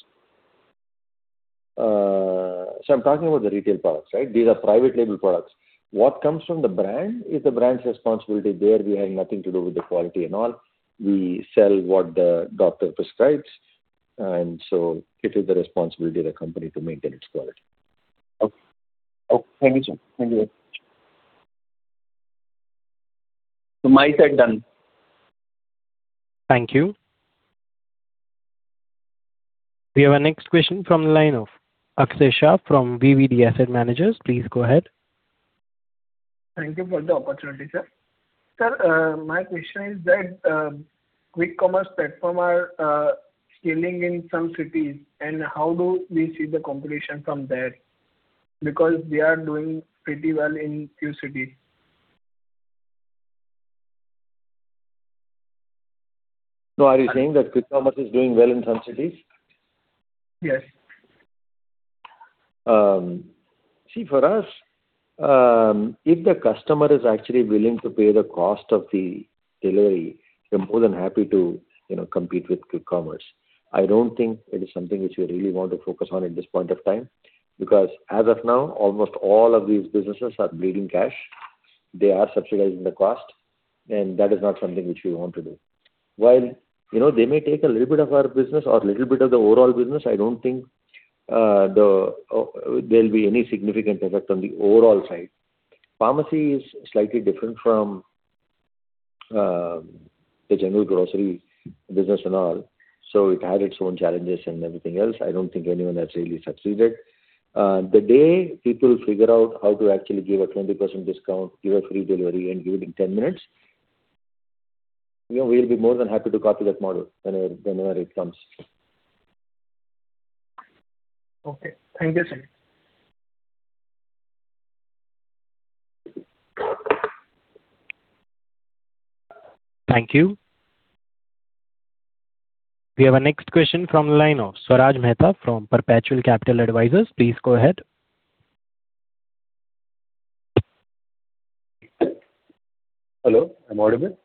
I'm talking about the retail products, right? These are private label products. What comes from the brand is the brand's responsibility. There we have nothing to do with the quality and all. We sell what the doctor prescribes, and so it is the responsibility of the company to maintain its quality. Okay. Thank you, sir. My side done. Thank you. We have our next question from the line of Axay Shah from VVD Asset Managers. Please go ahead. Thank you for the opportunity, sir. Sir, my question is that quick commerce platform are scaling in some cities, how do we see the competition from there? They are doing pretty well in few cities. Are you saying that quick commerce is doing well in some cities? Yes. For us, if the customer is actually willing to pay the cost of the delivery, we're more than happy to compete with quick commerce. I don't think it is something which we really want to focus on at this point of time, because as of now, almost all of these businesses are bleeding cash. They are subsidizing the cost, that is not something which we want to do. While they may take a little bit of our business or little bit of the overall business, I don't think there'll be any significant effect on the overall side. Pharmacy is slightly different from the general grocery business and all, It had its own challenges and everything else. I don't think anyone has really succeeded. The day people figure out how to actually give a 20% discount, give a free delivery, and give it in 10 minutes, we'll be more than happy to copy that model whenever it comes. Okay. Thank you, sir. Thank you. We have our next question from the line of Swaraj Mehta from Perpetual Capital Advisors. Please go ahead. Hello, am I audible?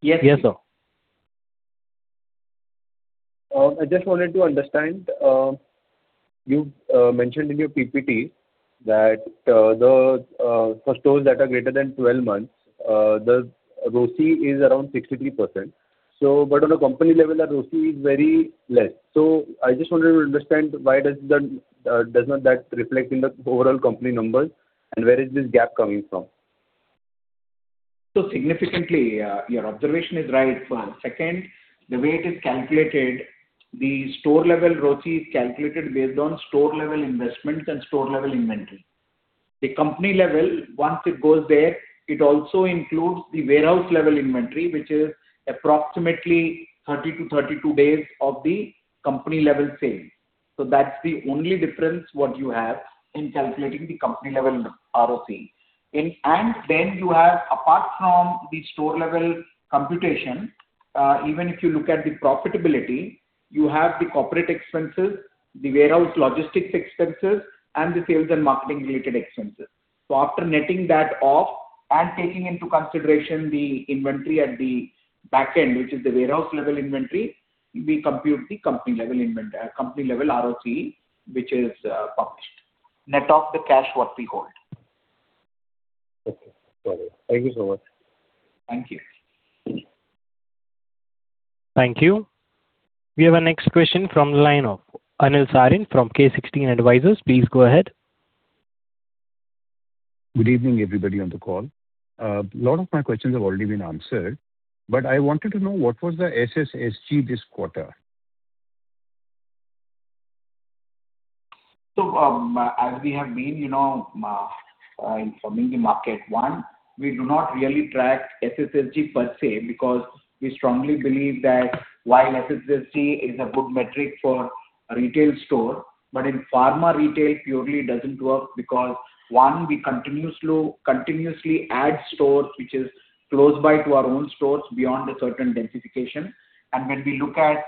Yes, sir. I just wanted to understand. You've mentioned in your PPT that for stores that are greater than 12 months, the ROCE is around 63%. On a company level, that ROCE is very less. I just wanted to understand why does not that reflect in the overall company numbers, and where is this gap coming from? Significantly, your observation is right for a second. The way it is calculated, the store level ROCE is calculated based on store level investments and store level inventory. The company level, once it goes there, it also includes the warehouse level inventory, which is approximately 30 to 32 days of the company level sales. That's the only difference what you have in calculating the company level ROCE. Then you have, apart from the store level computation, even if you look at the profitability, you have the corporate expenses, the warehouse logistics expenses, and the sales and marketing related expenses. After netting that off and taking into consideration the inventory at the back end, which is the warehouse level inventory, we compute the company level ROCE, which is published, net of the cash what we hold. Okay, got it. Thank you so much. Thank you. Thank you. We have our next question from the line of Anil Sarin from K16 Advisors. Please go ahead. Good evening, everybody on the call. A lot of my questions have already been answered. I wanted to know what was the SSSG this quarter. As we have been informing the market, one, we do not really track SSSG per se because we strongly believe that while SSSG is a good metric for a retail store, but in pharma retail, purely it doesn't work because, one, we continuously add stores which is close by to our own stores beyond a certain densification. When we look at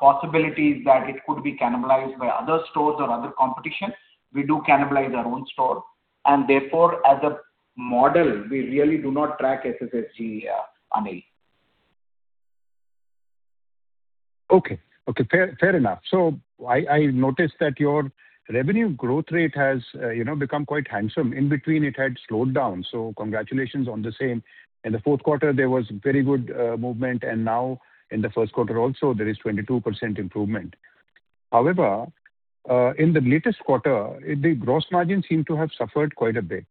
possibilities that it could be cannibalized by other stores or other competition, we do cannibalize our own store. Therefore, as a model, we really do not track SSSG, Anil. Okay. Fair enough. I noticed that your revenue growth rate has become quite handsome. In between, it had slowed down, so congratulations on the same. In the fourth quarter, there was very good movement, and now in the first quarter also, there is 22% improvement. However, in the latest quarter, the gross margin seemed to have suffered quite a bit.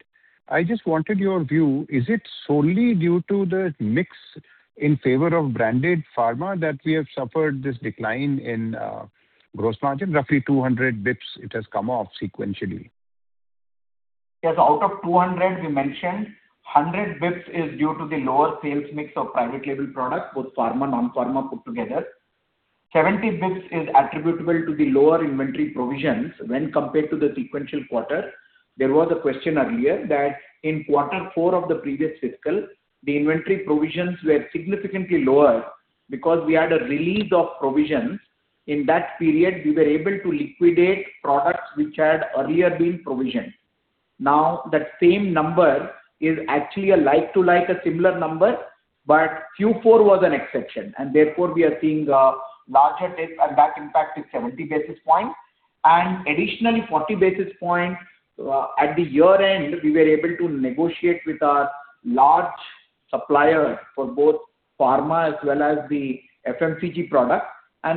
I just wanted your view. Is it solely due to the mix in favor of branded pharma that we have suffered this decline in gross margin? Roughly 200 basis points it has come off sequentially. Yes, out of 200 we mentioned, 100 basis points is due to the lower sales mix of private label products, both pharma and non-pharma put together. 70 basis points is attributable to the lower inventory provisions when compared to the sequential quarter. There was a question earlier that in quarter four of the previous fiscal, the inventory provisions were significantly lower because we had a release of provisions. In that period, we were able to liquidate products which had earlier been provisioned. Now, that same number is actually a like-to-like, a similar number, but Q4 was an exception. Therefore, we are seeing a larger dip, that impact is 70 basis points. Additionally, 40 basis points, at the year-end, we were able to negotiate with our large supplier for both pharma as well as the FMCG product.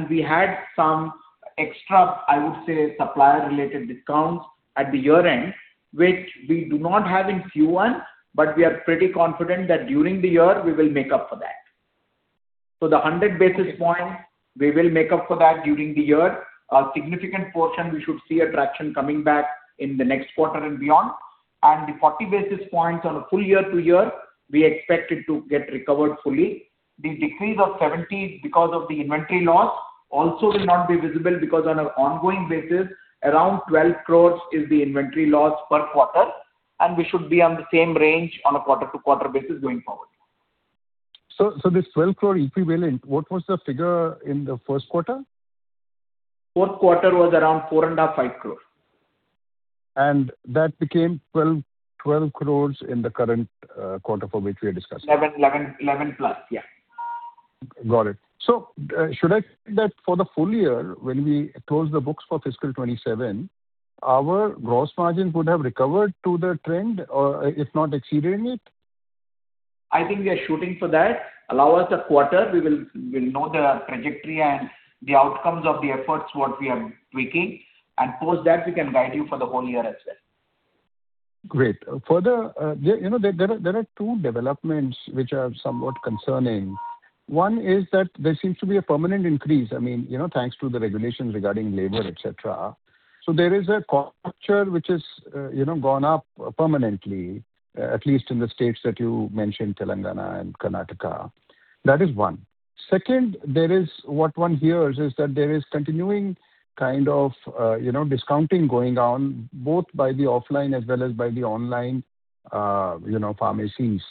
We had some extra, I would say, supplier-related discounts at the year-end, which we do not have in Q1, but we are pretty confident that during the year we will make up for that. The 100 basis points, we will make up for that during the year. A significant portion, we should see a traction coming back in the next quarter and beyond. The 40 basis points on a full year to year, we expect it to get recovered fully. The decrease of 70 because of the inventory loss also will not be visible because on an ongoing basis, around 12 crores is the inventory loss per quarter, and we should be on the same range on a quarter-to-quarter basis going forward. This 12 crore equivalent, what was the figure in the first quarter? Fourth quarter was around four and a half crore-five crore. That became 12 crore in the current quarter for which we are discussing. 11+. Yeah. Got it. Should I take that for the full year, when we close the books for fiscal 2027, our gross margin would have recovered to the trend or if not exceeding it? I think we are shooting for that. Allow us a quarter, we'll know the trajectory and the outcomes of the efforts, what we are tweaking. Post that, we can guide you for the whole year as well. Great. There are two developments which are somewhat concerning. One is that there seems to be a permanent increase. Thanks to the regulations regarding labor, et cetera. There is a culture which has gone up permanently, at least in the states that you mentioned, Telangana and Karnataka. That is one. Second, what one hears is that there is continuing kind of discounting going on, both by the offline as well as by the online pharmacies.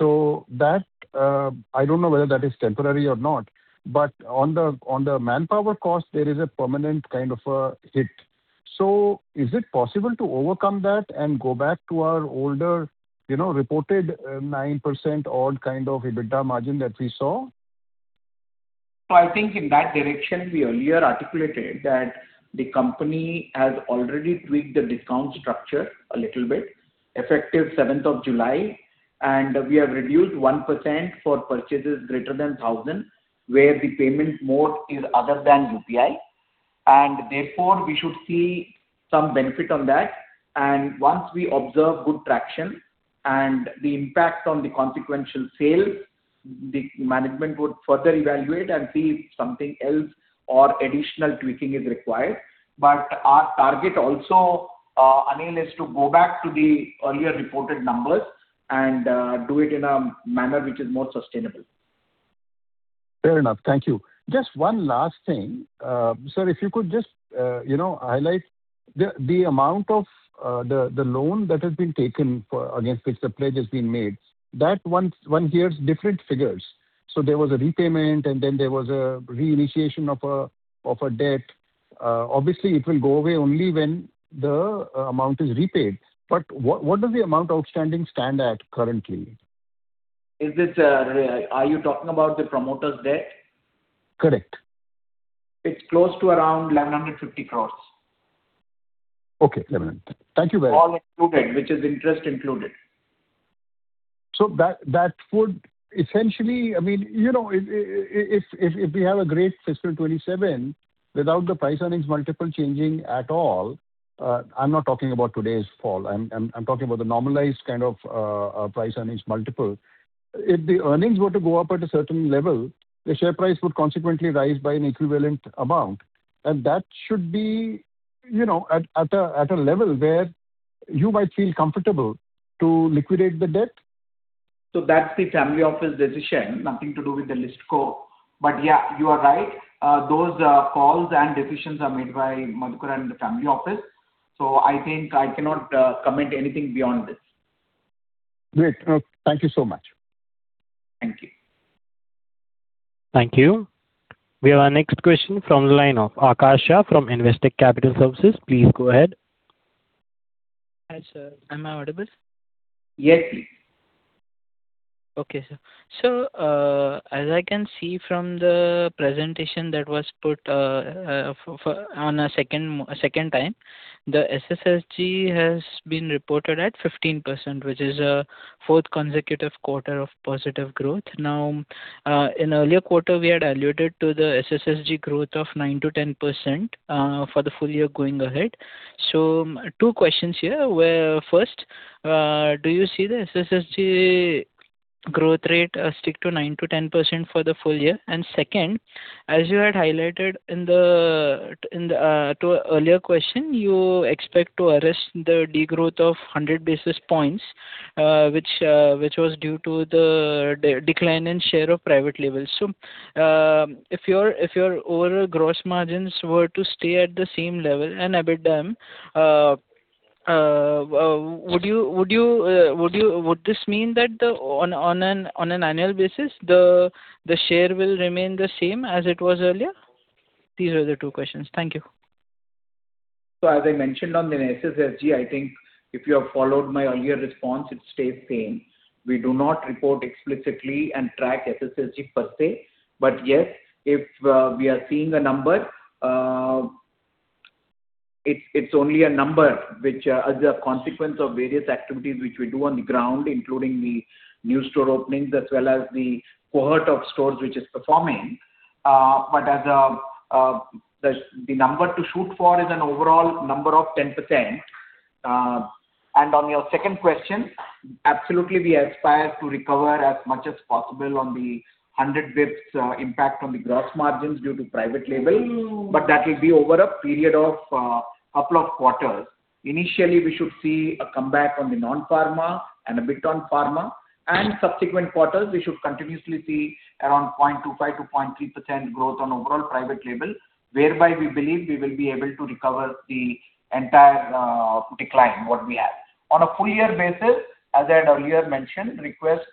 I don't know whether that is temporary or not, but on the manpower cost, there is a permanent kind of a hit. Is it possible to overcome that and go back to our older reported 9%-odd kind of EBITDA margin that we saw? I think in that direction, we earlier articulated that the company has already tweaked the discount structure a little bit, effective 7th of July, we have reduced 1% for purchases greater than 1,000, where the payment mode is other than UPI. Therefore, we should see some benefit on that. Once we observe good traction and the impact on the consequential sale, the management would further evaluate and see if something else or additional tweaking is required. Our target also, Anil, is to go back to the earlier reported numbers and do it in a manner which is more sustainable. Fair enough. Thank you. Just one last thing. Sir, if you could just highlight the amount of the loan that has been taken against which the pledge has been made. One hears different figures. There was a repayment, and then there was a reinitiation of a debt. Obviously, it will go away only when the amount is repaid. What does the amount outstanding stand at currently? Are you talking about the promoter's debt? Correct. It's close to around 1,150 crores. Okay. Thank you very much. All included, which is interest included. That would essentially If we have a great fiscal 2027, without the price earnings multiple changing at all. I'm not talking about today's fall. I'm talking about the normalized kind of price earnings multiple. If the earnings were to go up at a certain level, the share price would consequently rise by an equivalent amount. That should be at a level where you might feel comfortable to liquidate the debt. That's the family office decision. Nothing to do with the list co. Yeah, you are right. Those calls and decisions are made by Madhukar and the family office. I think I cannot comment anything beyond this. Great. Thank you so much. Thank you. Thank you. We have our next question from the line of Akash Shah from Investec Capital Services. Please go ahead. Hi, sir. Am I audible? Yes, please. Okay, sir. As I can see from the presentation that was put on a second time, the SSSG has been reported at 15%, which is a fourth consecutive quarter of positive growth. In earlier quarter, we had alluded to the SSSG growth of 9%-10% for the full year going ahead. Two questions here. First, do you see the SSSG growth rate stick to 9%-10% for the full year? Second, as you had highlighted to earlier question, you expect to arrest the degrowth of 100 basis points, which was due to the decline in share of private labels. If your overall gross margins were to stay at the same level and EBITDA, would this mean that on an annual basis, the share will remain the same as it was earlier? These are the two questions. Thank you. As I mentioned on the SSSG, I think if you have followed my earlier response, it stays same. We do not report explicitly and track SSSG per se. Yes, if we are seeing a number, it's only a number which is a consequence of various activities which we do on the ground, including the new store openings as well as the cohort of stores which is performing. The number to shoot for is an overall number of 10%. On your second question, absolutely we aspire to recover as much as possible on the 100-basis points impact on the gross margins due to private label. That will be over a period of couple of quarters. Initially, we should see a comeback on the non-pharma and a bit on pharma, subsequent quarters, we should continuously see around 0.25%-0.3% growth on overall private label, whereby we believe we will be able to recover the entire decline, what we have. On a full year basis, as I had earlier mentioned, request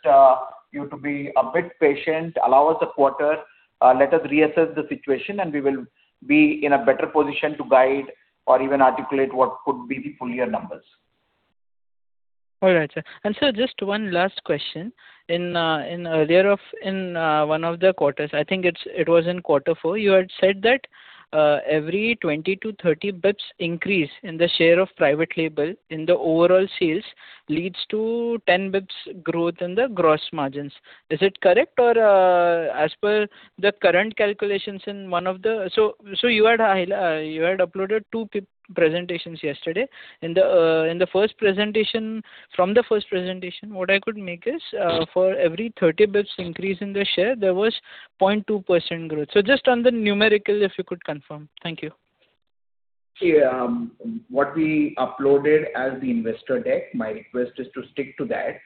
you to be a bit patient, allow us a quarter, let us reassess the situation, we will be in a better position to guide or even articulate what could be the full year numbers. All right, sir. Sir, just one last question. In one of the quarters, I think it was in quarter four, you had said that every 20 to 30 basis points increase in the share of private label in the overall sales leads to 10 basis points growth in the gross margins. Is it correct or as per the current calculations in one of the you had uploaded two presentations yesterday. From the first presentation, what I could make is, for every 30 basis points increase in the share, there was 0.2% growth. Just on the numerical, if you could confirm. Thank you. What we uploaded as the investor deck, my request is to stick to that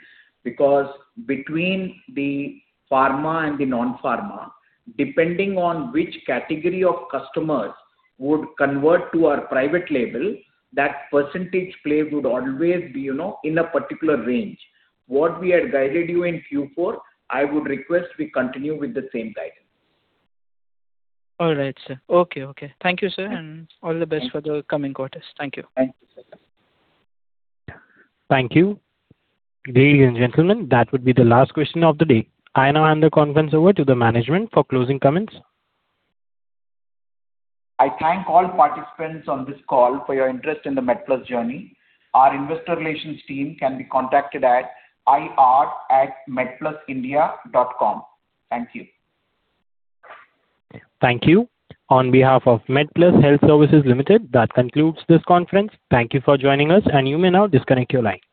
because between the pharma and the non-pharma, depending on which category of customers would convert to our private label, that percentage play would always be in a particular range. What we had guided you in Q4, I would request we continue with the same guidance. All right, sir. Okay. Thank you, sir, and all the best for the coming quarters. Thank you. Thank you. Thank you. Ladies and gentlemen, that would be the last question of the day. I now hand the conference over to the management for closing comments. I thank all participants on this call for your interest in the MedPlus journey. Our investor relations team can be contacted at ir@medplusindia.com. Thank you. Thank you. On behalf of MedPlus Health Services Limited, that concludes this conference. Thank you for joining us, and you may now disconnect your lines.